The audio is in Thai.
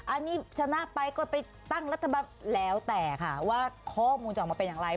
อันนี้ชนะไปก็ไปตั้งรัฐบาลแล้วแต่ค่ะว่าข้อมูลจะออกมาเป็นอย่างไร